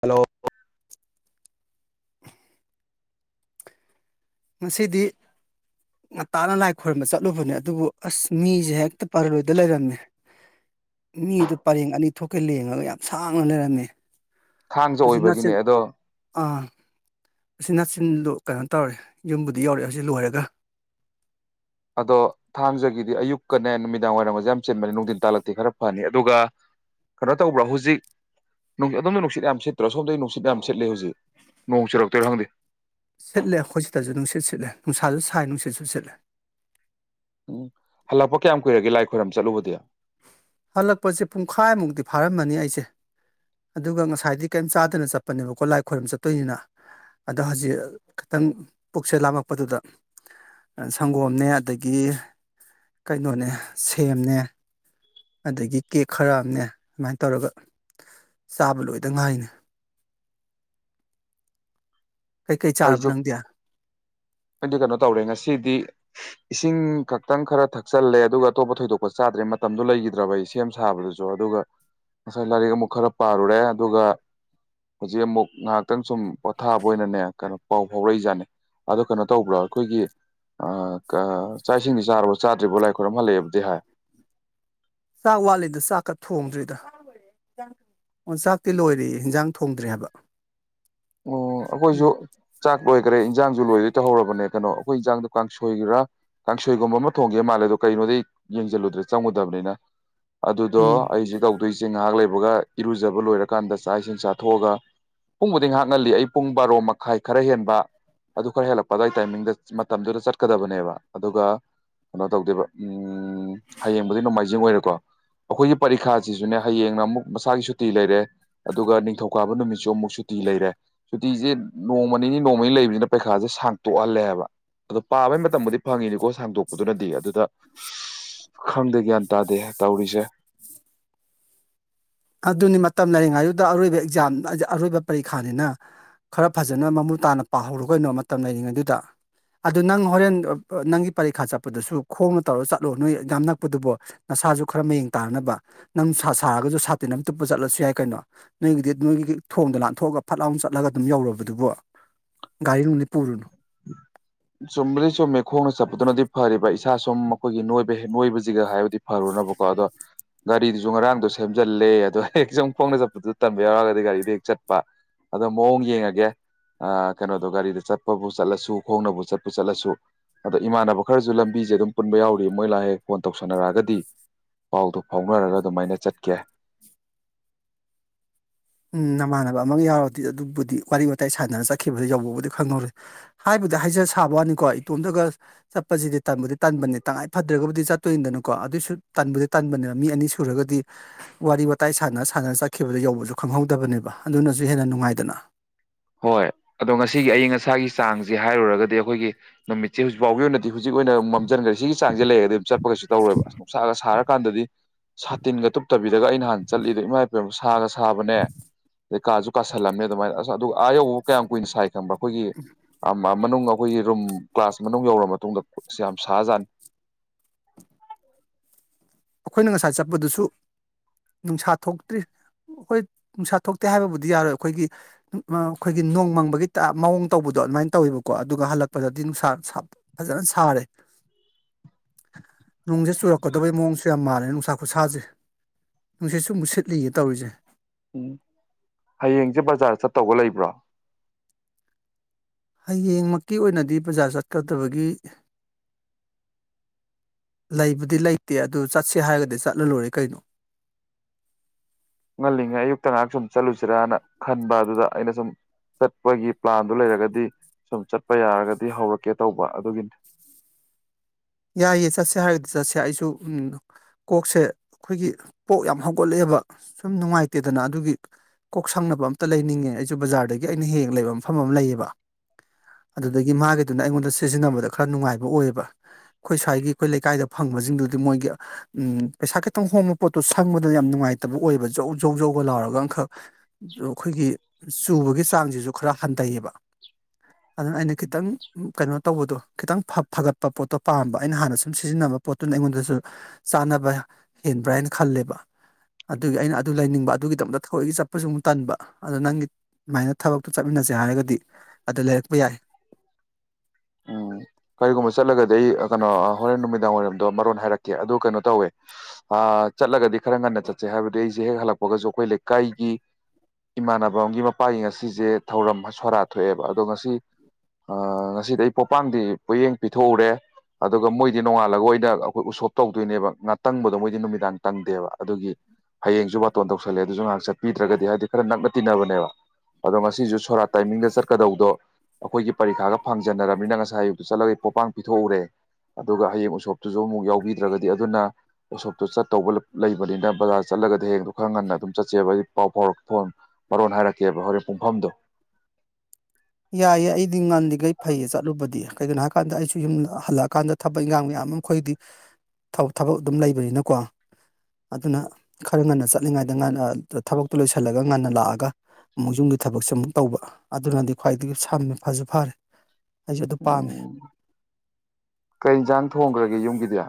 hello ꯉꯁꯤꯗꯤ ꯉꯇꯥꯅ ꯂꯥꯏ ꯈꯣꯏꯔꯝꯕ ꯆꯠꯂꯨꯕꯅꯦ ꯑꯗꯨꯕꯨ ꯑꯁ ꯃꯤꯖꯦ ꯍꯦꯛꯇ ꯄꯔꯂꯣꯏꯗ ꯂꯩꯔꯝꯃꯦ ꯃꯤꯗꯨ ꯄꯔꯦꯡ ꯑꯅꯤ ꯊꯣꯛꯈꯩ ꯂꯦꯡꯉꯒ ꯌꯥꯝ ꯁꯥꯡꯅ ꯂꯩꯔꯝꯃꯦ ꯊꯥꯡꯖ ꯎꯆꯤꯟ ꯑꯣꯏꯕꯒꯤꯅꯦ ꯅꯥꯆꯤꯟ ꯑꯗꯣ ꯑꯥ ꯎꯆꯤꯟ ꯅꯥꯆꯤꯟꯗꯨ ꯀꯩꯅꯣ ꯇꯧꯔꯦ ꯌꯨꯝꯕꯨꯗꯤ ꯌꯧꯔꯛꯑꯦ ꯍꯧꯖꯤꯛ ꯂꯣꯏꯔꯦꯒ ꯑꯗꯣ ꯊꯥꯡꯖꯒꯤꯗꯤ ꯑꯌꯨꯛꯀꯅꯦ ꯅꯨꯃꯤꯗꯥꯡ ꯋꯥꯏꯔꯝꯒꯖꯦ ꯌꯥꯝ ꯆꯤꯟꯕꯅꯤ ꯅꯨꯡꯊꯤꯟ ꯇꯥꯜꯂꯛꯇꯤ ꯈꯔ ꯐꯅꯤ ꯑꯗꯨꯒ ꯀꯩꯅꯣ ꯇꯧꯕ꯭ꯔꯣ ꯍꯧꯖꯤꯛ ꯑꯗꯣꯝꯗ ꯅꯨꯡꯁꯤꯠ ꯌꯥꯝ ꯁꯤꯠꯇꯔꯣ ꯁꯣꯝꯗꯗꯤ ꯅꯨꯡꯁꯤꯠ ꯌꯥꯝ ꯁꯤꯠꯂꯦ ꯍꯧꯖꯤꯛ ꯅꯣꯡ ꯆꯨꯔꯛꯇꯣꯏꯔ ꯈꯪꯗꯦ ꯁꯤꯠꯂꯦ ꯑꯩꯈꯣꯏ ꯁꯤꯗꯁꯨ ꯅꯨꯡꯁꯤꯠ ꯁꯤꯠꯂꯦ ꯅꯨꯡꯁꯥꯁꯨ ꯁꯥꯏ ꯅꯨꯡꯁꯤꯠꯁꯨ ꯁꯤꯠꯂꯦ ꯍꯜꯂꯛꯄ ꯀꯌꯥꯝ ꯀꯨꯏꯔꯒꯦ ꯂꯥꯏ ꯈꯣꯏꯔꯝꯕ ꯆꯠꯂꯨꯕꯗꯤ ꯍꯜꯂꯛꯄꯥꯁꯦ ꯄꯨꯡꯈꯥꯏꯃꯨꯛꯇꯤ ꯐꯥꯔꯝꯃꯅꯤ ꯑꯩꯁꯦ ꯑꯗꯨꯒ ꯉꯁꯥꯏꯗꯤ ꯀꯩꯝ ꯆꯥꯗꯅ ꯆꯠꯄꯅꯦꯕꯀꯣ ꯂꯥꯏ ꯈꯣꯏꯔꯝ ꯆꯠꯇꯣꯏꯅꯤꯅ ꯑꯗꯣ ꯍꯧꯖꯤꯛ ꯈꯤꯇꯪ ꯄꯨꯛꯁꯦ ꯂꯥꯝꯃꯛꯄꯗꯨꯗ ꯁꯪꯒꯣꯝꯅꯦ ꯑꯗꯥꯒꯤ ꯀꯩꯅꯣꯅꯦ ꯁꯦꯝꯅꯦ ꯑꯗꯥꯒꯤ ꯀꯦꯛ ꯈꯔ ꯑꯝꯅꯦ ꯑꯗꯨꯃꯥꯏꯅ ꯇꯧꯔꯒ ꯆꯥꯕ ꯂꯣꯏꯗ ꯉꯥꯏꯅꯤ [inaudible] ꯀꯩꯀꯩ ꯆꯥꯔꯕ ꯑꯩꯁꯨ ꯅꯪꯗꯤ ꯑꯩꯗꯤ ꯀꯩꯅꯣ ꯇꯧꯔꯦ ꯉꯁꯤꯗꯤ ꯏꯁꯤꯡ ꯈꯛꯇꯪ ꯈꯔ ꯊꯛꯆꯜꯂꯦ ꯑꯗꯨꯒ ꯑꯇꯣꯞꯄ ꯊꯣꯏꯗꯣꯛꯄ ꯆꯥꯗ꯭ꯔꯦ ꯃꯇꯝꯗꯣ ꯂꯩꯈꯤꯗ꯭ꯔꯕ ꯑꯩ ꯁꯦꯝ ꯁꯥꯕꯗꯨꯁꯨ ꯑꯗꯨꯒ ꯉꯁꯥꯏ ꯂꯥꯏꯔꯤꯛ ꯑꯃꯨꯛ ꯈꯔ ꯄꯥꯔꯨꯔꯦ ꯑꯗꯨꯒ ꯍꯧꯖꯤꯛ ꯑꯃꯨꯛ ꯉꯥꯏꯍꯥꯛꯇꯪ ꯁꯨꯝ ꯄꯣꯊꯥꯕ ꯑꯣꯏꯅꯅꯦ ꯀꯩꯅꯣ ꯄꯥꯎ ꯐꯥꯎꯔꯛꯏꯖꯥꯠꯅꯤ ꯑꯗꯣ ꯀꯩꯅꯣ ꯇꯧꯕ꯭ꯔꯥ ꯑꯩꯈꯣꯏꯒꯤ ꯑꯥ ꯀꯥ ꯆꯥꯛ ꯏꯁꯤꯡꯗꯤ ꯆꯥꯔꯥꯕꯣ ꯆꯥꯗ꯭ꯔꯤꯕꯣ ꯂꯥꯏꯈꯣꯏꯔꯝ ꯍꯜꯂꯛꯑꯦꯕꯨꯗꯤ ꯍꯥꯏ ꯆꯥꯛ ꯋꯥꯠꯂꯤꯗ ꯆꯥꯛꯀ ꯊꯣꯡꯗ꯭ꯔꯤꯗ ꯑꯣ ꯆꯥꯛꯇꯤ ꯂꯣꯏꯔꯦꯌꯦ ꯏꯟꯖꯥꯡ ꯊꯣꯡꯗ꯭ꯔꯤ ꯍꯥꯏꯕ ꯑꯣ ꯑꯩꯈꯣꯏꯁꯨ ꯎꯝ ꯆꯥꯛ ꯂꯣꯏꯈ꯭ꯔꯦ ꯏꯟꯖꯥꯡꯁꯨ ꯂꯣꯏ ꯇꯧꯍꯧꯔꯥꯕꯅꯦ ꯀꯩꯅꯣ ꯑꯩꯈꯣꯏ ꯢꯟꯖꯥꯡꯗꯣ ꯀꯥꯡꯁꯣꯏꯔꯥ ꯀꯥꯡꯁꯣꯏꯒꯨꯝꯕ ꯑꯃ ꯊꯣꯡꯒꯦ ꯃꯥꯜꯂꯦ ꯑꯗꯣ ꯀꯩꯅꯣꯗ ꯑꯩ ꯌꯦꯡꯁꯖꯤꯜꯂꯨꯗꯦ ꯆꯪꯉꯨꯗꯕꯅꯤꯅ ꯑꯗꯨꯗꯣ ꯎꯝ ꯑꯩꯖꯤ ꯍꯧꯖꯤꯛꯁꯦ ꯉꯥꯏꯍꯥꯛ ꯂꯩꯕꯒ ꯏꯔꯨꯖꯕ ꯂꯣꯏꯔꯀꯥꯟꯗ ꯆꯥꯛ ꯏꯁꯤꯡ ꯆꯥꯊꯣꯛ ꯑꯥꯒ ꯄꯨꯡꯕꯨꯗꯤ ꯉꯥꯏꯍꯥꯛ ꯉꯜꯂꯤ ꯑꯩ ꯄꯨꯡ ꯕꯥꯔꯣ ꯃꯈꯥꯏ ꯈꯔ ꯍꯦꯟꯕ ꯑꯗꯨ ꯈꯔꯥ ꯍꯦꯜꯂꯛꯄ ꯑꯗꯨꯋꯥꯢ ꯇꯥꯏꯃꯤꯡꯗ ꯃꯇꯝꯗꯨꯗ ꯆꯠꯀꯗꯕꯅꯦꯕ ꯑꯗꯨꯒ ꯀꯩꯅꯣ ꯇꯧꯗꯣꯢꯕ ꯎꯝ ꯍꯥꯌꯦꯡꯕꯨꯗꯤ ꯅꯣꯡꯃꯥꯏꯖꯤꯡ ꯑꯣꯏꯔꯦꯀꯣ ꯑꯩꯈꯣꯏꯒꯤ ꯄꯥꯔꯤꯈꯥꯁꯤꯁꯨꯅꯦ ꯍꯌꯦꯡꯅ ꯑꯃꯨꯛ ꯃꯁꯥꯒꯤ ꯁꯨꯇꯤ ꯂꯩꯔꯦ ꯑꯗꯨꯒ ꯅꯤꯡꯊꯧꯀꯥꯕ ꯅꯨꯃꯤꯠꯁꯨ ꯑꯃꯨꯛ ꯁꯨ ꯁꯨꯇꯤ ꯂꯩꯔꯦ ꯁꯨꯇꯤꯁꯦ ꯅꯣꯡꯃꯥꯅꯤꯅꯤ ꯅꯣꯡꯃꯥꯅꯤꯅꯤ ꯂꯩꯕꯅꯤꯅ ꯄꯩꯈꯥꯁꯦ ꯁꯥꯡꯇꯣꯛꯍꯜꯂꯦ ꯍꯥꯏꯕ ꯑꯗꯣ ꯄꯥꯕꯩ ꯃꯇꯝꯕꯨꯗꯤ ꯐꯪꯉꯤꯅꯤꯀꯣ ꯁꯥꯡꯗꯣꯛꯄꯗꯨꯅꯗꯤ ꯑꯗꯨꯗ ꯈꯪꯗꯦ ꯒ꯭ꯌꯥꯟ ꯇꯥꯗꯦ ꯇꯧꯔꯤꯁꯦ ꯑꯗꯨꯅꯤ ꯃꯇꯝ ꯂꯩꯔꯤꯡꯉꯩꯗꯨꯗ ꯑꯔꯣꯏꯕ ꯑꯦꯛꯖꯥꯝ ꯑꯔꯣꯏꯕ ꯄꯔꯤꯈꯥꯅꯤꯅ ꯈꯔ ꯐꯖꯅ ꯃꯃꯨ ꯇꯥꯅ ꯄꯥꯍꯧꯔꯣꯀꯩꯅꯣ ꯃꯇꯝ ꯂꯩꯔꯤꯉꯩꯗꯨꯗ ꯑꯗꯨ ꯅꯪ ꯍꯣꯔꯦꯟ ꯅꯪꯒꯤ ꯄꯔꯤꯈꯥ ꯆꯠꯄꯗꯨꯁꯨ ꯈꯣꯡꯅ ꯇꯧꯔ ꯆꯠꯂꯣ ꯅꯣꯏ ꯑꯗꯥꯝ ꯅꯛꯄꯗꯨꯕꯣ ꯉꯁꯥꯏ ꯁꯥꯁꯨ ꯈꯔ ꯃꯌꯦꯡ ꯇꯥꯅꯕ ꯅꯪ ꯅꯨꯁꯥ ꯁꯥꯔꯒꯁꯨ ꯇꯤꯟ ꯑꯝ ꯇꯨꯞꯄ ꯆꯠꯂꯁꯨ ꯌꯥꯏ ꯀꯩꯅꯣ ꯅꯣꯏꯒꯤꯗꯤ ꯅꯣꯏꯒꯤ ꯊꯣꯡꯗ ꯂꯥꯟꯊꯣꯛꯑꯒ ꯐꯠ ꯂꯥꯎꯅ ꯆꯠꯂꯒ ꯑꯗꯨꯝ ꯌꯧꯔꯕꯥꯗꯨꯕꯣ ꯒꯥꯔꯤꯅꯨꯡꯗꯤ ꯄꯨꯔꯨꯅꯨ ꯆꯨꯝꯕꯨꯗꯤ ꯆꯨꯝꯃꯦ ꯈꯣꯡꯅ ꯆꯠꯄꯗꯨꯅꯗꯤ ꯐꯔꯤꯕ ꯏꯁꯥ ꯁꯨꯝ ꯑꯩꯈꯣꯏꯒꯤ ꯅꯣꯏꯕ ꯍꯦꯟꯕꯥ ꯑꯣꯏꯕꯥꯖꯤꯒ ꯗꯤ ꯐꯥꯔꯨꯅꯕꯀꯣ ꯑꯗꯣ ꯒꯥꯔꯤꯗꯨꯁꯨ ꯉꯔꯥꯡꯗꯣ ꯁꯦꯝꯖꯤꯜꯂꯦ ꯑꯗꯣ ꯍꯦꯛ ꯁꯨꯝ ꯈꯣꯡꯅ ꯆꯠꯄꯗꯨ ꯇꯟꯕ ꯌꯥꯎꯔꯒꯗꯤ ꯒꯥꯔꯤꯗꯦ ꯍꯦꯛ ꯆꯠꯄ ꯑꯗꯣ ꯃꯥꯑꯣꯡ ꯌꯦꯡꯉꯒꯦ ꯀꯩꯅꯣꯗꯣ ꯒꯥꯔꯤꯗ ꯆꯠꯄꯥꯕꯨ ꯆꯠꯂꯁꯨ ꯈꯣꯡꯅꯕꯨ ꯆꯠꯄꯨ ꯆꯠꯂꯁꯨ ꯑꯗꯣ ꯏꯃꯥꯟꯅꯕ ꯈꯔꯁꯨ ꯂꯝꯕꯤꯁꯦ ꯑꯗꯨꯝ ꯄꯨꯟꯕ ꯌꯥꯎꯔꯤ ꯃꯣꯏ ꯂꯥꯛ ꯍꯦꯛ ꯐꯣꯟ ꯇꯧꯁꯟꯅꯥꯔꯛ ꯑꯥꯒꯗꯤ ꯄꯥꯎꯗꯨ ꯐꯥꯎꯅꯔꯒ ꯑꯗꯨꯃꯥꯏꯅ ꯆꯠꯀꯦ ꯎꯝ ꯅꯃꯥꯟꯅꯕ ꯑꯃꯒ ꯌꯥꯎꯔꯗꯤ ꯑꯗꯨꯕꯨꯗꯤ ꯋꯥꯔꯤ ꯋꯥꯋꯇꯥꯏ ꯁꯥꯟꯅꯔꯒ ꯆꯠꯈꯤꯕꯗ ꯌꯧꯕꯕꯨꯗꯤ ꯈꯪꯍꯧꯔꯣꯢ ꯍꯥꯏ ꯕꯨꯗꯤ ꯍꯥꯏꯖ ꯁꯥꯕ ꯋꯥꯅꯤꯀꯣ ꯏꯇꯣꯝꯇꯒ ꯆꯠꯄꯁꯤꯗꯤ ꯇꯟꯕꯨꯗꯤ ꯇꯟꯕꯅꯤ ꯇꯉꯥꯏ ꯐꯗ꯭ꯔꯒꯕꯨꯗꯤ ꯆꯠꯇꯣꯏꯅꯤꯗꯥꯅꯀꯣ ꯑꯗꯨꯏꯁꯨ ꯇꯟꯕꯨꯗꯤ ꯇꯟꯥꯟꯕꯅꯦꯕ ꯃꯤ ꯑꯅꯤ ꯁꯨꯔꯒꯗꯤ ꯋꯥꯔꯤ ꯋꯥꯇꯥꯏ ꯁꯥꯟꯅ ꯁꯥꯟꯅ ꯆꯠꯈꯤꯕꯗ ꯌꯧꯕꯁꯨ ꯈꯪꯍꯧꯗꯕꯅꯦꯕ ꯑꯗꯨꯅꯁꯨ ꯍꯦꯟꯅ ꯅꯨꯡꯉꯥꯏꯗꯅ ꯍꯣꯏ ꯑꯗꯣ ꯉꯁꯤꯒꯤ ꯑꯏꯪ ꯑꯁꯥꯒꯤ ꯆꯥꯡꯁꯦ ꯍꯥꯏꯔꯨꯔꯒꯗꯤ ꯑꯩꯈꯣꯏꯒꯤ ꯅꯨꯃꯤꯠꯁꯦ ꯍꯧꯖꯤꯛ ꯐꯥꯎꯒꯤ ꯑꯣꯏꯅ ꯍꯧꯖꯤꯛ ꯑꯣꯏꯅ ꯃꯝꯖꯟꯈꯔ ꯁꯤꯒꯤ ꯆꯥꯡꯁꯦ ꯂꯩꯔꯒꯗꯤ ꯑꯗꯨꯝ ꯆꯠꯄꯀꯩꯁꯨ ꯇꯧꯔꯣꯢꯕ ꯑ ꯅꯨꯡꯁꯥꯒ ꯁꯥꯔꯒ ꯀꯥꯟꯗꯗꯤ ꯁꯥꯇꯤꯟꯒ ꯇꯨꯞꯇꯕꯤꯗꯒ ꯑꯩ ꯅꯍꯥꯟ ꯆꯠꯂꯤꯗꯣ ꯏꯃꯥꯢꯄꯦꯝꯃꯥ ꯁꯥꯒ ꯁꯥꯕꯅꯦ ꯑꯗꯩ ꯀꯥꯁꯨ ꯀꯥꯁꯜꯂꯝꯃꯦ ꯑꯗꯨꯃꯥꯏꯅ ꯑꯁ ꯑꯗꯨꯒ ꯑꯥ ꯌꯧꯕꯕꯨ ꯀꯌꯥꯝ ꯀꯨꯏꯅ ꯁꯥꯏ ꯈꯪꯕꯔꯥ ꯑꯩꯈꯣꯏꯒꯤ ꯃꯅꯨꯡ ꯑꯩꯈꯣꯏꯒꯤ ꯔꯨꯝ ꯀ꯭ꯂꯥꯁ ꯃꯅꯨꯡ ꯌꯧꯔꯕ ꯃꯇꯨꯡꯗ ꯌꯥꯝ ꯁꯥꯍꯖꯥꯠꯅꯤ [inaudible] ꯑꯩꯈꯣꯏꯅ ꯉꯁꯥꯏ ꯆꯠꯄꯗꯨꯁꯨ ꯅꯨꯡꯁꯥ ꯊꯣꯛꯇ꯭ꯔꯤ ꯍꯣꯏ ꯅꯨꯡꯁꯥ ꯊꯣꯛꯇꯦ ꯍꯥꯏꯕꯕꯨꯗꯤ ꯌꯥꯔꯣꯏ ꯈꯣꯏꯒꯤ ꯈꯣꯏꯒꯤ ꯅꯣꯡ ꯃꯪꯕꯒꯤ ꯃꯑꯣꯡ ꯇꯧꯕꯗꯣ ꯑꯗꯨꯃꯥꯏꯅ ꯇꯧꯋꯦꯕꯀꯣ ꯑꯗꯨꯒ ꯍꯜꯂꯛꯄꯗꯗꯤ ꯅꯨꯡꯁꯥ ꯐꯖꯅ ꯁꯥꯔꯦ [inaudible] ꯅꯨꯡꯖꯦ ꯆꯨꯔꯛꯀꯗꯕꯩ ꯃꯑꯣꯡꯁꯨ ꯌꯥꯝ ꯃꯥꯜꯂꯦ ꯅꯨꯡꯁꯥ ꯈꯨꯠꯁꯥꯖꯦ ꯅꯨꯡꯁꯤꯠ ꯁꯨ ꯑꯃꯨꯛ ꯁꯤꯠꯂꯤꯒꯦ ꯇꯧꯔꯤꯖꯦ ꯎꯝ ꯍꯌꯦꯡꯖꯦ ꯕꯖꯥꯔ ꯆꯠꯇꯧꯕ ꯂꯩꯕ꯭ꯔꯣ ꯍꯌꯦꯡꯃꯛꯀꯤ ꯑꯣꯏꯅꯗꯤ ꯕꯖꯥꯔ ꯆꯠꯀꯗꯕꯒꯤ ꯂꯩꯕꯨꯗꯤ ꯂꯩꯇꯦ ꯑꯗꯨ ꯆꯠꯁꯦ ꯍꯥꯏꯔꯒꯗꯤ ꯆꯠꯂ ꯂꯣꯏꯔꯦ ꯀꯩꯅꯣ ꯉꯜꯂꯤꯉꯩ ꯑꯌꯨꯛꯇ ꯉꯥꯏꯍꯥꯛ ꯁꯨꯝ ꯆꯠꯂꯨꯁꯤꯔꯅ ꯈꯟꯕ ꯑꯗꯨꯗ ꯑꯩꯅ ꯁꯨꯝ ꯆꯠꯄꯒꯤ ꯄ꯭ꯂꯥꯟꯗꯨ ꯂꯩꯔꯒꯗꯤ ꯁꯨꯝ ꯆꯠꯄ ꯌꯥꯔꯒꯗꯤ ꯍꯧꯔꯛꯀꯦ ꯇꯧꯕ ꯑꯗꯨꯒꯤꯅꯤ [inaudible] ꯌꯥꯏꯌꯦ ꯆꯠꯁꯦ ꯍꯥꯏꯔꯒꯗꯤ ꯆꯠꯁꯦ ꯑꯩꯁꯨ ꯀꯣꯛꯁꯦ ꯑꯩꯈꯣꯏꯒꯤ ꯄꯣꯛ ꯌꯥꯝ ꯍꯧꯒꯠꯂꯛꯑꯦꯕ ꯁꯨꯝ ꯅꯨꯡꯉꯥꯏꯇꯦꯗꯅ ꯑꯗꯨꯒꯤ ꯀꯣꯛ ꯁꯪꯅꯕ ꯑꯝꯇ ꯂꯩꯅꯤꯡꯉꯦ ꯑꯩꯖꯨ ꯕꯖꯥꯔꯗꯒꯤ ꯑꯩꯅ ꯍꯦꯛ ꯍꯦꯛ ꯂꯩꯕ ꯃꯐꯝ ꯑꯃ ꯂꯩꯌꯦꯕ ꯑꯗꯨꯗꯒꯤ ꯃꯥꯒꯤꯗꯨꯅ ꯑꯩꯉꯣꯟꯗ ꯁꯤꯖꯤꯟꯅꯕꯗ ꯈꯔ ꯅꯨꯡꯉꯥꯏꯕ ꯑꯣꯏꯌꯦꯕ ꯑꯩꯈꯣꯏ ꯁ꯭ꯋꯥꯏꯒꯤ ꯑꯩꯈꯣꯏ ꯂꯩꯀꯥꯏꯗ ꯐꯪꯕꯖꯤꯡꯗꯨꯗꯤ ꯃꯣꯏꯒꯤ ꯎꯝ ꯄꯩꯁꯥ ꯈꯤꯇꯪ ꯍꯣꯡꯕ ꯄꯣꯠꯇꯣ ꯁꯪꯕꯗ ꯌꯥꯝ ꯅꯨꯡꯉꯥꯏ ꯑꯣꯏꯌꯦꯕ ꯖꯧ ꯖꯧ ꯖꯧꯒ ꯂꯥꯎꯔꯒ ꯑꯃꯈꯛ ꯈꯣꯏꯒꯤ ꯆꯨꯕꯒꯤ ꯆꯥꯡꯁꯤꯖꯨ ꯈꯔ ꯍꯟꯊ ꯂꯩꯌꯦꯕ ꯑꯗꯨꯅ ꯑꯩꯅ ꯈꯤꯇꯪ ꯀꯩꯅꯣ ꯇꯧꯕꯗꯣ ꯈꯤꯇꯪ ꯐꯒꯠꯄ ꯄꯣꯠꯇꯣ ꯄꯥꯝꯕ ꯑꯩꯅ ꯍꯥꯟꯅ ꯁꯨꯝ ꯁꯤꯖꯤꯟꯅꯕ ꯄꯣꯠꯇꯨꯅ ꯑꯩꯉꯣꯟꯗꯁꯨ ꯆꯥꯅꯕ ꯍꯦꯟꯕ꯭ꯔꯥ ꯍꯥꯏꯅ ꯈꯜꯂꯦꯕ ꯑꯗꯨꯒꯤ ꯑꯩꯅ ꯑꯗꯨ ꯂꯩꯅꯤꯡꯕ ꯑꯗꯨꯒꯤꯗꯃꯛꯇ ꯊꯑꯣꯏꯒꯤ ꯆꯠꯄꯖꯨ ꯑꯃꯨꯛ ꯇꯟꯕ ꯑꯗꯨ ꯅꯪꯒꯤ ꯑꯗꯨꯃꯥꯏꯅ ꯊꯕꯛꯇꯨ ꯆꯠꯃꯤꯟꯅ ꯁꯦ ꯍꯥꯏꯔꯒꯗꯤ ꯑꯗ ꯂꯩꯔꯛꯄ ꯌꯥꯏ ꯑꯣ ꯀꯔꯤꯒꯨꯝꯕ ꯆꯠꯂꯒꯗꯤ ꯑꯩ ꯀꯩꯅꯣ ꯍꯣꯔꯦꯟ ꯅꯨꯃꯤꯗꯥꯡ ꯋꯥꯏꯔꯝꯗꯣ ꯃꯔꯣꯟ ꯍꯥꯏꯔꯛꯀꯦ ꯑꯗꯣ ꯀꯩꯅꯣ ꯇꯧꯋꯦ ꯑꯥ ꯆꯠꯂꯒꯗꯤ ꯈꯔ ꯉꯟꯅ ꯆꯠꯁꯦ ꯍꯥꯏꯕꯗꯤ ꯑꯩꯁꯦ ꯍꯦꯛ ꯍꯜꯂꯛꯄꯒꯖꯨ ꯑꯩꯈꯣꯏ ꯂꯩꯀꯥꯏꯒꯤ ꯏꯃꯥꯟꯅꯕ ꯑꯝꯒꯤ ꯃꯄꯥꯒꯤ ꯉꯁꯤꯁꯦ ꯊꯧꯔꯝ ꯁꯣꯔꯥꯠ ꯊꯣꯛꯑꯦꯕ ꯑꯗꯣ ꯉꯁꯤ ꯑ ꯉꯁꯤꯗꯩ ꯄꯣꯄꯥꯡꯗꯤ ꯄꯣꯌꯦꯡ ꯄꯤꯊꯣꯛꯎꯔꯦ ꯑꯗꯨꯒ ꯃꯣꯏꯗꯤ ꯅꯣꯡꯉꯥꯜꯂꯒ ꯑꯣꯏꯅ ꯑꯈꯣꯏ ꯎꯁꯣꯞ ꯇꯧꯗꯣꯏꯅꯦꯕ ꯉꯥꯇꯪꯕꯗꯣ ꯃꯣꯏꯗꯤ ꯅꯨꯃꯤꯗꯥꯡ ꯇꯪꯗꯦꯕ ꯑꯗꯨꯒꯤ ꯍꯌꯦꯡꯁꯨ ꯕꯥꯇꯣꯟ ꯇꯧꯁꯜꯂꯦ ꯑꯗꯨꯁꯨ ꯉꯥꯏꯍꯥꯛ ꯆꯠꯄꯤꯗ꯭ꯔꯒꯗꯤ ꯍꯥꯏꯗꯤ ꯈꯔ ꯅꯛꯅ ꯇꯤꯟꯅꯕꯅꯦꯕ ꯑꯗꯣ ꯉꯁꯤꯖꯨ ꯁꯣꯔꯥꯠ ꯇꯥꯏꯃꯤꯡꯗ ꯆꯠꯀꯗꯧꯗꯣ ꯑꯩꯈꯣꯏꯒꯤ ꯄꯔꯤꯈꯥꯒ ꯐꯪꯖꯟꯅꯔꯕꯅꯤꯅ ꯉꯁꯥꯏ ꯆꯠꯂꯣꯍꯦ ꯄꯣꯄꯥꯡ ꯄꯤꯊꯣꯛꯎꯔꯦ ꯑꯗꯨꯒ ꯍꯌꯦꯡ ꯎꯁꯣꯞꯇꯨꯁꯨ ꯑꯃꯨꯛ ꯌꯥꯎꯕꯤꯗ꯭ꯔꯒꯗꯤ ꯑꯗꯨꯅ ꯎꯁꯣꯞꯇꯨ ꯆꯠꯇꯧꯕ ꯂꯩꯕꯅꯤꯅ ꯕꯖꯥꯔ ꯆ ꯆꯠꯂꯒꯗꯤ ꯍꯌꯦꯡꯗꯣ ꯈꯔ ꯉꯟꯅ ꯑꯗꯨꯝ ꯆꯠꯁꯦꯕ ꯑꯩ ꯄꯥꯎ ꯐꯥꯎꯔꯛꯀꯦꯀꯣ ꯃꯔꯣꯟ ꯍꯥꯏꯔꯛꯀꯦꯕ ꯍꯣꯔꯦꯟ ꯄꯨꯡꯐꯝꯗꯣ ꯌꯥꯏꯌꯦ ꯑꯩꯗꯤ ꯉꯜꯂꯤꯒꯩ ꯐꯩꯌꯦ ꯆꯠꯂꯨꯕꯗꯤ ꯀꯩꯒꯤꯅꯣ ꯍꯥꯏ ꯀꯥꯟꯗ ꯑꯩꯖꯨ ꯌꯨꯝ ꯍꯜꯂꯛꯑꯀꯥꯟꯗ ꯊꯕꯛ ꯏꯟꯈꯥꯡ ꯃꯌꯥꯝ ꯑꯩꯈꯣꯏꯗꯤ ꯊꯕꯛ ꯑꯗꯨꯝ ꯂꯩꯕꯅꯤꯅꯀꯣ ꯑꯗꯨꯅ ꯈꯔ ꯉꯟꯅ ꯆꯠꯂꯤꯉꯩꯗ ꯉꯅ ꯊꯕꯛꯇꯨ ꯂꯣꯏꯁꯤꯜꯂꯒ ꯉꯟꯅ ꯂꯥꯛꯑꯒ ꯃꯣꯢ ꯌꯨꯝꯒꯤ ꯊꯕꯛꯁꯦ ꯑꯃꯨꯛ ꯇꯧꯕ ꯑꯗꯨꯅꯗꯤ ꯈ꯭ꯋꯥꯏꯗꯒꯤ ꯁꯝꯃꯦ ꯐꯖꯨ ꯐꯔꯦ ꯑꯩꯖꯨ ꯑꯗꯨ ꯄꯥꯝꯃꯦ ꯎꯝ ꯀꯩ ꯏꯟꯁꯥꯡ ꯊꯣꯡꯒ꯭ꯔꯒꯦ ꯌꯨꯝꯒꯤꯗꯤ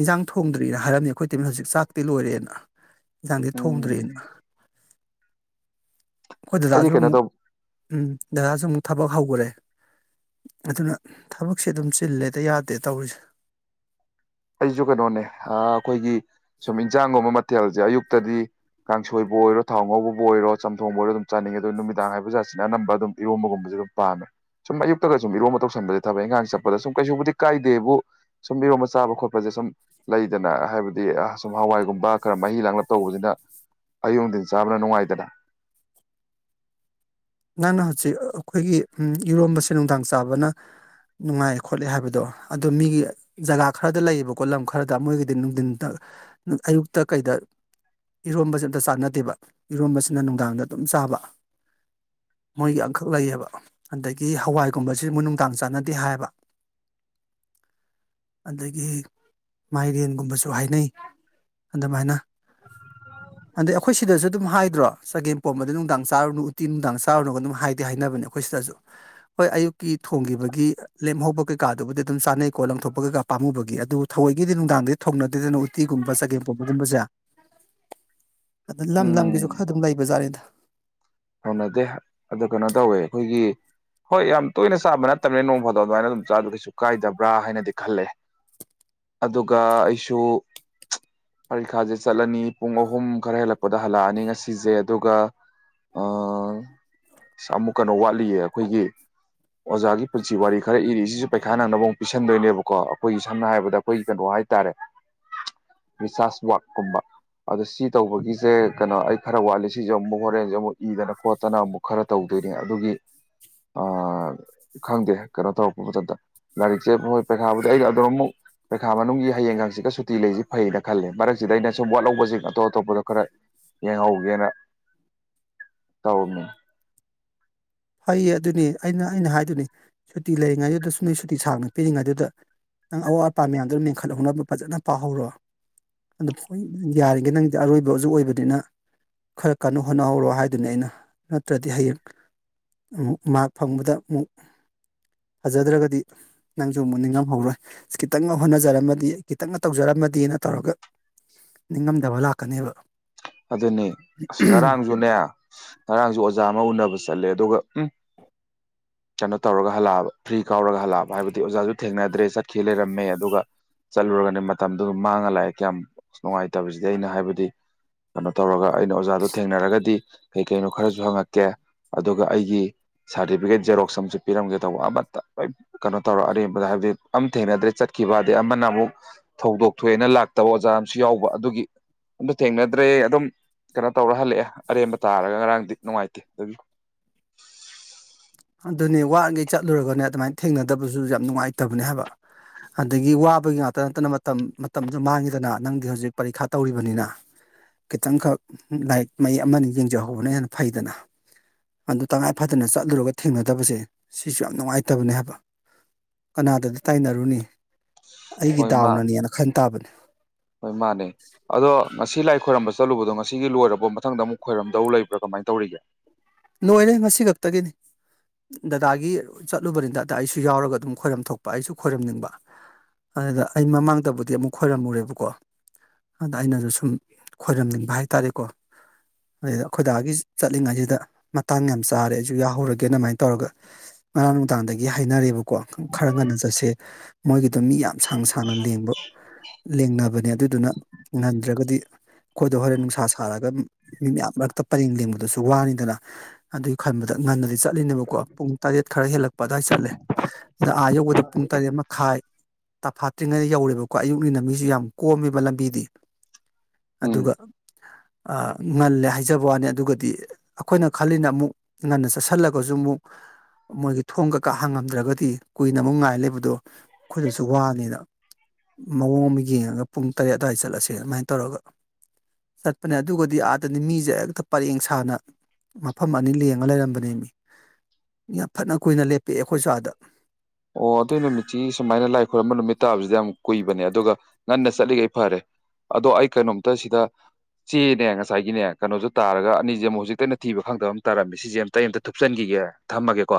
ꯏꯟꯖꯥꯡ ꯊꯣꯡꯗ꯭ꯔꯤꯅ ꯍꯥꯏꯔꯝꯅꯤ ꯈꯣꯏ ꯏꯇꯩꯃꯅ ꯍꯧꯖꯤꯛ ꯆꯥꯛꯇꯤ ꯂꯣꯏꯔꯦꯅ ꯏꯟꯖꯥꯡꯗꯤ ꯇꯣꯛꯗ꯭ꯔꯤ ꯎꯝ ꯑꯩꯈꯣꯏ ꯑꯩꯗꯤ ꯗꯗꯥꯖꯨ ꯀꯩꯅꯣ ꯑꯃꯨꯛ ꯇꯧꯕ ꯎꯝ ꯗꯗꯥꯖꯨ ꯑꯃꯨꯛ ꯊꯕꯛ ꯍꯧꯒꯔꯦ ꯑꯗꯨꯅ ꯊꯕꯛꯁꯦ ꯑꯗꯨꯝ ꯆꯤꯜꯂꯦꯗ ꯌꯥꯗꯦ ꯇꯧꯔꯤꯁꯦ ꯑꯩꯖꯨ ꯀꯩꯅꯣꯅꯦ ꯑ ꯑꯩꯈꯣꯏꯒꯤ ꯁꯨꯝ ꯏꯟꯁꯥꯡꯒꯨꯝꯕ ꯃꯊꯦꯜꯖꯦ ꯑꯌꯨꯛꯇꯗꯤ ꯀꯥꯡꯁꯣꯏꯕꯨ ꯑꯣꯏꯔꯣ ꯊꯥꯎ ꯉꯧꯕꯕꯨ ꯑꯣꯏꯔꯣ ꯆꯝꯊꯣꯡꯕꯨ ꯑꯣꯏꯔꯣ ꯑꯗꯨꯝ ꯆꯥꯅꯤꯡꯉꯦ ꯑꯗꯨ ꯅꯨꯃꯤꯗꯥꯡ ꯍꯥꯏꯕ ꯖꯠꯁꯤꯅ ꯑꯅꯝꯕ ꯑꯗꯨꯝ ꯏꯔꯣꯝꯕꯒꯨꯝꯕꯁꯦ [unintelligible] ꯁꯨꯝ ꯑꯌꯨꯛꯇꯒ ꯁꯨꯝ ꯏꯔꯣꯝꯕ ꯇꯧꯁꯟꯕꯁꯦ ꯊꯕꯛ ꯏꯪꯪꯒꯥꯡ ꯆꯠꯄꯗ ꯁꯨꯝ ꯀꯩꯁꯨꯕꯨꯗꯤ ꯀꯥꯏꯗꯦꯕꯨ ꯁꯨꯝ ꯏꯔꯣꯝꯕ ꯆꯥꯕ ꯈꯣꯠꯄ ꯕ ꯁꯨꯝ ꯂꯩꯗꯅ ꯍꯥꯏꯕꯗꯤ ꯁꯨꯝ ꯍꯋꯥꯏꯒꯨꯝꯕ ꯈꯔ ꯃꯍꯤ ꯂꯥꯡꯂꯞ ꯇꯧꯕꯁꯤꯅ ꯑꯌꯨꯛ ꯅꯨꯡꯊꯤꯜ ꯆꯥꯕꯅ ꯅꯨꯡꯉꯥꯏꯗꯅ ꯅꯪꯅ ꯍꯧꯖꯤꯛ ꯑꯩꯈꯣꯏꯒꯤ ꯏꯔꯣꯝꯕꯁꯦ ꯅꯨꯡꯗꯥꯡ ꯆꯥꯕꯅ ꯅꯨꯡꯉꯥꯏ ꯈꯣꯠꯂꯦ ꯍꯥꯏꯕꯗꯣ ꯑꯗꯨ ꯃꯤꯒꯤ ꯖꯒꯥ ꯈꯔꯗ ꯂꯩꯌꯦꯕꯀꯣ ꯂꯝ ꯈꯔꯗ ꯃꯣꯏꯒꯤꯗꯤ ꯅꯨꯡꯊꯤꯟ ꯑꯌꯨꯛꯇ ꯀꯩꯗ ꯏꯔꯣꯝꯁꯦ ꯑꯝꯇ ꯆꯥꯛ ꯅꯗꯦꯕ ꯏꯔꯣꯝꯕꯁꯤꯅ ꯅꯨꯡꯗꯥꯡꯗ ꯑꯗꯨꯝ ꯆꯥꯕ ꯃꯣꯏꯒꯤ ꯑꯃꯈꯛ ꯂꯩꯌꯦꯕ ꯑꯗꯒꯤ ꯍꯋꯥꯏꯒꯨꯝꯕꯁꯤ ꯃꯣꯏꯅꯨꯡꯗꯥꯡ ꯆꯥꯟꯅꯗꯦ ꯍꯥꯏꯌꯦꯕ [inaudible] ꯑꯗꯒꯤ ꯃꯥꯏꯔꯦꯟꯒꯨꯝꯕꯁꯨ ꯍꯥꯏꯅꯩ ꯑꯗꯨ ꯃꯥꯏꯅ ꯑꯗ ꯑꯩꯈꯣꯏ ꯁꯤꯗꯁꯨ ꯑꯗꯨꯝ ꯍꯥꯏꯗ꯭ꯔꯣ ꯆꯒꯦꯝ ꯄꯣꯝꯕꯗ ꯅꯨꯡꯗꯥꯡ ꯆꯥꯔꯨꯅꯨ ꯎꯇꯤ ꯅꯨꯡꯗꯥꯡ ꯆꯥ ꯆꯥꯔꯨꯅꯣꯒ ꯑꯗꯨꯝ ꯍꯥꯏꯗꯤ ꯍꯥꯏꯅꯕꯅꯦ ꯑꯩꯈꯣꯏ ꯁꯤꯗꯁꯨ ꯍꯣꯏ ꯑꯌꯨꯛꯀꯤ ꯊꯣꯡꯈꯤꯕꯒꯤ ꯂꯦꯝꯍꯧꯕ ꯀꯩꯀꯥꯗꯨꯕꯨꯗꯤ ꯑꯗꯨꯝ ꯆꯥꯅꯩꯀꯣ ꯂꯪꯊꯣꯛꯄꯒ ꯄꯥꯝꯨꯕꯒꯤ ꯑꯗꯨꯕꯨ ꯊꯧꯋꯣꯏꯒꯤꯗꯤ ꯅꯨꯡꯗꯥꯡꯗꯗꯤ ꯊꯧꯅꯗꯦꯗꯅ ꯎꯇꯤꯒꯨꯝꯕ ꯆꯒꯦꯝꯄꯣꯝꯕꯒꯨꯝꯕꯁꯦ [unintelligible] ꯑꯗ ꯂꯝ ꯂꯝꯒꯤꯁꯨ ꯎꯝ ꯈꯔ ꯑꯗꯨꯝ ꯂꯩꯕꯖꯠꯅꯦꯗ ꯍꯧꯅꯗꯦ ꯑꯗꯣ ꯀꯩꯅꯣ ꯇꯧꯋꯦ ꯑꯩꯈꯣꯏꯒꯤ ꯍꯣꯏ ꯌꯥꯝ ꯇꯣꯏꯅ ꯆꯥꯕ ꯅꯠꯇꯕꯅꯤ ꯅꯣꯡ ꯐꯥꯗ ꯑꯗꯨꯃꯥꯏꯅ ꯑꯗꯨꯝ ꯆꯥꯗꯣ ꯀꯩꯁꯨ ꯀꯥꯏꯗꯕ꯭ꯔꯥ ꯍꯥꯏꯅꯗꯤ ꯈꯜꯂꯦ ꯑꯗꯨꯒ ꯑꯩꯁꯨ ꯄꯔꯤꯈꯥꯖꯦ ꯆꯠꯂꯅꯤ ꯄꯨꯡ ꯑꯍꯨꯝ ꯈꯔ ꯍꯦꯜꯂꯛꯄꯗ ꯍꯜꯂꯛꯑꯅꯤ ꯉꯁꯤꯁꯦ ꯑꯗꯨꯒ ꯑ ꯑꯃꯨꯛ ꯀꯩꯅꯣ ꯋꯥꯠꯂꯤꯌꯦ ꯑꯩꯈꯣꯏꯒꯤ ꯑꯣꯖꯥꯒꯤ ꯄꯨꯟꯁꯤ ꯋꯥꯔꯤ ꯈꯔ ꯏꯔꯤꯁꯤꯁꯨ ꯄꯩꯈꯥ ꯅꯪꯅꯕ ꯑꯃꯨꯛ ꯄꯤꯁꯟꯗꯣꯏꯅꯦꯕꯀꯣ ꯑꯩꯈꯣꯏꯒꯤ ꯁꯝꯅ ꯍꯥꯏꯔꯕꯗ ꯑꯩꯈꯣꯏꯒꯤ ꯀꯩꯅꯣ ꯍꯥꯏꯇꯥꯔꯦ ꯔꯤꯁꯥꯁ ꯋꯥꯛꯀꯨꯝꯕ ꯑꯗꯣ ꯁꯤ ꯇꯧꯕꯒꯤꯁꯦ ꯀꯩꯅꯣ ꯑꯩ ꯈꯔ ꯋꯥꯠꯂꯦ ꯁꯤꯁꯦ ꯑꯃꯨꯛ ꯍꯣꯔꯦꯟꯁꯦ ꯑꯃꯨꯛ ꯏꯗꯅ ꯈꯣꯠꯇꯅ ꯑꯃꯨꯛ ꯈꯔ ꯇꯧꯗꯣꯏꯅꯤ ꯑꯗꯨꯒꯤ ꯑ ꯥꯈꯪꯗꯦ ꯀꯩꯅꯣ ꯇꯧꯔꯛꯄ ꯃꯇꯝꯗ ꯂꯥꯏꯔꯤꯛꯁꯦ ꯍꯣꯏ ꯄꯩꯈꯥꯕꯨꯗꯤ ꯑꯩꯩꯅ ꯑꯗꯨꯝ ꯑꯃꯨꯛ ꯄꯩꯈꯥ ꯃꯅꯨꯡꯒꯤ ꯍꯌꯦꯡꯒ ꯍꯥꯡꯁꯤꯠꯒ ꯁꯨꯇꯤ ꯂꯩꯁꯤ ꯐꯩꯌꯦꯅ ꯈꯜꯂꯦ ꯃꯔꯛꯁꯤꯗ ꯑꯩꯅ ꯁꯨꯝ ꯋꯥꯠꯍꯧꯕꯁꯤꯡ ꯑꯇꯣꯞ ꯑꯇꯣꯞꯄꯗ ꯈꯔ ꯌꯦꯡꯍꯧꯒꯦꯅ ꯇꯧꯔꯝꯃꯤ ꯐꯩꯌꯦ ꯑꯗꯨꯅꯤ ꯑꯩꯅ ꯑꯩꯅ ꯍꯥꯏꯗꯨꯅꯦ ꯁꯨꯇꯤ ꯂꯩꯔꯤꯉꯩꯗꯨꯗ ꯁꯨꯝ ꯅ ꯁꯨꯇꯤ ꯁꯥꯡꯅ ꯄꯤꯔꯤꯉꯩꯗꯨꯗ ꯅꯪ ꯑꯋꯥꯠ ꯑꯄꯥ ꯃꯌꯥꯝꯗꯨ ꯃꯦꯟꯈꯠꯍꯧꯅꯕ ꯐꯖꯅ ꯄꯥꯍꯧꯔꯣ ꯑꯗꯣ ꯍꯣꯏ ꯌꯥꯔꯤꯈꯦ ꯅꯪꯗꯤ ꯑꯔꯣꯏꯕꯁꯨ ꯑꯣꯏꯕꯅꯤꯅ ꯈꯔ ꯀꯟꯅ ꯍꯣꯠꯅꯍꯧꯔꯣ ꯍꯥꯏꯗꯨꯅꯤ ꯑꯩꯅ ꯅꯠꯇ꯭ꯔꯗꯤ ꯍꯌꯦꯡ ꯑꯃꯨꯛ ꯃꯥꯛ ꯐꯪꯕꯗ ꯑꯃꯨꯛ ꯐꯖꯗ꯭ꯔꯒꯗꯤ ꯅꯪꯁꯨ ꯑꯃꯨꯛ ꯅꯤꯡꯉꯝꯍꯧꯔꯣꯏ ꯑꯁ ꯈꯤꯇꯪꯒ ꯍꯣꯠꯅꯖꯔꯝꯃꯗꯤ ꯈꯤꯇꯪꯒ ꯇꯧꯖꯔꯝ ꯥꯃꯥꯗꯤꯅ ꯇꯧꯔꯒ ꯅꯤꯡꯉꯝꯗꯕ ꯂꯥꯛꯀꯅꯤꯕ ꯑꯗꯨꯅꯤ ꯑꯁ ꯉꯔꯥꯡꯁꯨꯅꯦ ꯉꯔꯥꯡꯁꯨ ꯑꯣꯖꯥ ꯑꯃ ꯎꯅꯕ ꯆꯠꯂꯦ ꯑꯗꯨꯒ ꯎ ꯀꯩꯅꯣ ꯇꯧꯔ ꯍꯜꯂꯛꯑꯕ ꯐ꯭ꯔꯤ ꯀꯥꯎꯔꯒ ꯍꯜꯂꯛꯑꯕ ꯍꯥꯏꯕꯗꯤ ꯑꯣꯖꯥꯁꯨ ꯊꯦꯡꯅꯗ꯭ꯔꯦ ꯆꯠꯈꯤ ꯂꯩꯔꯝꯃꯦ ꯑꯗꯨꯒ ꯆꯠꯂꯨꯔꯒꯅꯦ ꯃꯇꯝꯗꯨ ꯃꯥꯡꯉ ꯂꯥꯛꯑꯦ ꯀꯌꯥꯝ ꯅꯨꯡꯉꯥꯏꯇꯕꯁꯤꯗꯤ ꯑꯩꯅ ꯍꯥꯏꯕꯗꯤ ꯀꯩꯅꯣ ꯇꯧꯔꯒ ꯑꯩꯅ ꯑꯣꯖꯥꯗꯣ ꯊꯦꯡꯅꯔꯒꯗꯤ ꯀꯩ ꯀꯩꯅꯣ ꯈꯔꯁꯨ ꯍꯪꯉꯛꯀꯦ ꯑꯗꯨꯒ ꯑꯩꯒꯤ ꯁꯥꯔꯇꯤꯐꯤꯀꯦꯠ ꯖꯦꯔꯣꯛꯁ ꯑꯃꯁꯨ ꯄꯤꯔꯝꯒꯦ ꯇꯧꯕ ꯑꯃꯠꯇ ꯀꯩꯅꯣ ꯇꯧꯔ ꯑꯔꯦꯝꯕꯗ ꯍꯥꯏꯕꯗꯤ ꯑꯝ ꯊꯦꯡꯅꯗ꯭ꯔꯦ ꯆꯠ ꯀꯈꯤꯕꯗꯦ ꯑꯃꯅ ꯑꯃꯨꯛ ꯊꯧꯗꯣꯛ ꯊꯣꯛꯑꯦꯅ ꯂꯥꯛꯇꯕ ꯑꯣꯖꯥ ꯑꯃꯁꯨ ꯌꯥꯎꯕ ꯑꯗꯨꯒꯤ ꯑꯝꯇ ꯊꯦꯡꯅ ꯠꯇ꯭ꯔꯦ ꯑꯗꯨꯝ ꯀꯩꯅꯣ ꯇꯧꯔ ꯍꯜꯂꯛꯑꯦ ꯑꯔꯦꯝꯕ ꯇꯥꯔꯒ ꯉꯔꯥꯡꯗꯤ ꯅꯨꯡꯉꯥꯏꯇꯦ ꯑꯗꯨꯕꯤꯌꯨ [inaudible] ꯑꯗꯨꯅꯦ ꯋꯥꯈꯩ ꯆꯠꯂꯨꯔꯒꯅꯦ ꯑꯗꯨꯃꯥꯏꯅ ꯊꯦꯡꯅꯗꯕꯁꯨ ꯌꯥꯝ ꯅꯨꯡꯉꯥꯏꯇꯕꯅꯦ ꯍꯥꯏꯕ ꯑꯗꯒꯤ ꯋꯥꯕꯒꯤ ꯉꯥꯛꯇ ꯅꯠꯇꯅ ꯃꯇꯝ ꯃꯇꯝꯁꯨ ꯃꯥꯡꯉꯤꯗꯅ ꯅꯪꯗꯤ ꯍꯧꯖꯤꯛ ꯄꯔꯤꯈꯥ ꯇꯧꯔꯤꯕꯅꯤꯅ ꯈꯤꯇꯪꯈꯛ ꯂꯥꯏꯔꯤꯛ ꯃꯌꯦꯛ ꯑꯃ ꯑꯅꯤ ꯌꯦꯡꯖꯍꯧꯕꯅ ꯍꯦꯟꯅ ꯐꯩꯗꯅ ꯑꯗꯨ ꯇꯉꯥꯏ ꯐꯗꯅ ꯆꯠꯂꯨꯔꯒ ꯊꯦꯡꯅꯗꯕꯁꯦ ꯁꯤꯁꯨ ꯌꯥꯝ ꯅꯨꯡꯉꯥꯏꯇꯕꯅꯦ ꯍꯥꯏꯕ ꯀꯅꯥꯗꯗꯤ ꯇꯥꯏꯅꯔꯨꯅꯤ ꯑꯩꯒꯤ ꯍꯣꯏ ꯃꯥ ꯗꯥꯎꯅꯅꯦꯅ ꯈꯟ ꯇꯥꯕꯅꯦ ꯍꯣꯏ ꯃꯥꯅꯦ ꯑꯗꯣ ꯉꯁꯤ ꯂꯥꯏ ꯈꯣꯏꯔꯝꯕ ꯆꯠꯂꯨꯕꯗꯣ ꯉꯁꯤꯒꯤ ꯂꯣꯏꯔꯕ ꯃꯊꯪꯗ ꯑꯃꯨꯛ ꯈꯣꯏꯔꯝꯗꯧ ꯂꯩꯕ꯭ꯔꯥ ꯀꯃꯥꯏꯅ ꯇꯧꯔꯤꯒꯦ ꯅꯣꯏꯔꯦ ꯉꯁꯤ ꯈꯛꯇꯒꯤꯅꯤ ꯗꯗꯥꯗꯥꯒꯤ ꯆꯠꯂꯨꯕꯅꯤ ꯗꯗꯥ ꯑꯩꯁꯨ ꯌꯥꯎꯔꯒ ꯑꯗꯨꯝ ꯈꯣꯏꯔꯝ ꯊꯣꯛꯄ ꯑꯩꯁꯨ ꯈꯣꯏꯔꯝꯅꯤꯡꯕ ꯑꯗꯨꯗ ꯑꯩ ꯃꯃꯥꯡꯗꯕꯨꯗꯤ ꯑꯃꯨꯛ ꯈꯣꯏꯔꯝꯃꯨꯔꯦꯕꯀꯣ ꯑꯗ ꯑꯩꯅꯖꯨ ꯁꯨꯝ ꯈꯣꯏꯔꯝꯅꯤꯡꯕ ꯍꯥꯏ ꯇꯔꯦꯀꯣ ꯑꯩꯈꯣꯏꯗꯥꯒꯤ ꯆꯠꯂꯤꯉꯩꯖꯤꯗ ꯃꯇꯥꯡ ꯌꯥꯝ ꯆꯥꯔꯦ ꯑꯩꯖꯨ ꯌꯥꯍꯧꯔꯒꯦ ꯑꯗꯨꯃꯥꯏꯅ ꯇꯧꯔꯒ ꯉꯔꯥꯡ ꯅꯨꯡꯗꯥꯡꯗꯒꯤ ꯍꯥꯏꯅꯔꯦꯕꯀꯣ ꯈꯔ ꯉꯟꯅ ꯆꯠꯁꯦ ꯃꯣꯏꯒꯤꯗꯣ ꯃꯤ ꯌꯥꯝ ꯁꯥꯡꯅ ꯁꯥꯡꯅ ꯂꯦꯡꯕ ꯂꯦꯡꯅꯕꯅꯦ ꯑꯗꯨꯗꯨꯅ ꯉꯟꯗ꯭ꯔꯒꯗꯤ ꯑꯩꯈꯣꯏꯗꯣ ꯍꯣꯔꯦꯟ ꯅꯨꯡꯁꯥ ꯁꯥꯔꯒ ꯃꯤ ꯃꯌꯥꯝ ꯃꯔꯛꯇ ꯄꯔꯦꯡ ꯂꯦꯡꯕꯗꯨꯁꯨ ꯋꯥꯅꯤꯗꯅ ꯑꯗꯨꯒꯤ ꯈꯟꯕꯗ ꯉꯟꯅꯗꯤ ꯆꯠꯂꯤꯅꯦꯕꯀꯣ ꯄꯨꯡ ꯇꯔꯦꯠ ꯈꯔ ꯍꯦꯜꯂꯛꯄ ꯑꯗꯨꯋꯥꯏ ꯆꯠꯂꯦ ꯑꯗ ꯑꯥ ꯌꯧ ꯄꯨꯡ ꯇꯔꯦꯠ ꯃꯈꯥꯏ ꯇꯐꯥꯠꯇ꯭ꯔꯤꯉꯩ ꯌꯧꯔꯦꯕꯀꯣ ꯑꯌꯨꯛꯅꯤꯅ ꯃꯤꯁꯨ ꯌꯥꯝ ꯀꯣꯝꯃꯦꯕ ꯂꯝꯕꯤꯗꯤ ꯎꯝ ꯑꯗꯨꯒ ꯉꯜꯂꯦ ꯍꯥꯏꯖꯕ ꯋꯥꯅꯤ ꯑꯗꯨꯒꯗꯤ ꯈꯣꯏꯅ ꯈꯜꯂꯤꯅ ꯑꯃꯨꯛ ꯉꯟꯅ ꯆꯠꯁꯜꯂꯒꯖꯨ ꯑꯃꯨꯛ ꯃꯣꯏꯒꯤ ꯊꯣꯡꯒ ꯀꯥꯍꯥꯡꯉꯝꯗ꯭ꯔꯒꯗꯤ ꯀꯨꯏꯅ ꯑꯃꯨꯛ ꯉꯥꯏ ꯂꯩꯕꯗꯣ ꯑꯩꯈꯣꯏꯗꯁꯨ ꯋꯥꯅꯤꯅ ꯃꯑꯣꯡ ꯑꯃ ꯌꯦꯡꯉꯒ ꯄꯨꯡ ꯇꯔꯦꯠ ꯑꯗꯨꯋꯥꯏꯗ ꯆꯠꯂꯁꯦ ꯑꯗꯨꯃꯥꯏꯅ ꯇꯧꯔꯒ ꯆꯠꯄꯅꯦ ꯑꯗꯨꯒꯗꯤ ꯑꯥꯗꯅꯤ ꯃꯤꯖꯦ ꯍꯦꯛꯇ ꯄꯔꯦꯡ ꯁꯥꯅ ꯃꯐꯝ ꯑꯅꯤ ꯂꯦꯡꯉ ꯂꯩꯔꯝꯕꯅꯦ ꯃꯤ ꯌꯥꯝ ꯐꯠꯅ ꯀꯨꯏꯅ ꯂꯦꯞꯄꯦ ꯑꯣ ꯑꯗꯨꯏ ꯅꯨꯃꯤꯠꯁꯤ ꯁꯨꯃꯥꯏꯅ ꯂꯥꯏ ꯈꯨꯣꯏꯔꯝꯕ ꯅꯨꯃꯤꯠ ꯇꯥꯕꯁꯤꯗ ꯌꯥꯝ ꯀꯨꯏꯕꯅꯦ ꯑꯗꯨꯒ ꯉꯟꯅ ꯆꯠꯂꯤꯈꯩ ꯐꯔꯦ ꯑꯗꯣ ꯑꯩ ꯀꯩꯅꯣꯝꯇ ꯁꯤꯗ ꯆꯦꯅꯦ ꯉꯁꯥꯏꯒꯤꯅꯦ ꯀꯩꯅꯣꯁꯨ ꯇꯥꯔꯒ ꯑꯅꯤꯁꯦ ꯑꯃꯨꯛ ꯍꯧꯖꯤꯛꯀꯟꯅ ꯊꯤꯕ ꯈꯪꯗꯕ ꯑꯃ ꯇꯥꯔꯝꯃꯤ ꯁꯤꯁꯦ ꯑꯝꯇ ꯑꯃꯝꯇ ꯊꯨꯞꯆꯟꯈꯤꯒꯦ ꯑꯦ ꯊꯝꯃꯒꯦꯀꯣ